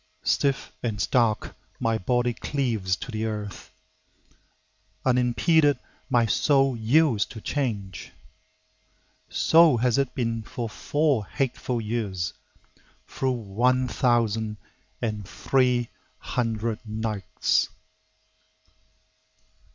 Stiff and stark my body cleaves to the earth; Unimpeded my soul yields to Change. So has it been for four hateful years, Through one thousand and three hundred nights!